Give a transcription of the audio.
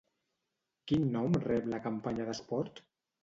Quin nom rep la campanya de suport?